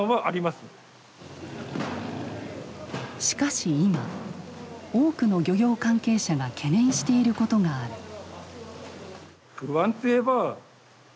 しかし今多くの漁業関係者が懸念していることがある。